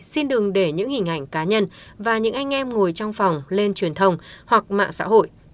xin đừng để những hình ảnh cá nhân và những anh em ngồi trong phòng lên truyền thông hoặc mạng xã hội